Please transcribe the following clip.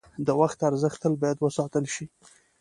د وخت ارزښت تل باید وساتل شي.